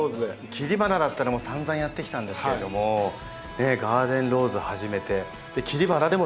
切り花だったらさんざんやってきたんですけれどもガーデンローズを始めて切り花でも楽しめるということなので。